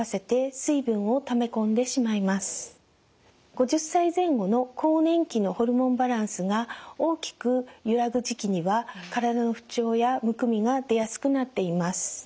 ５０歳前後の更年期のホルモンバランスが大きく揺らぐ時期には体の不調やむくみが出やすくなっています。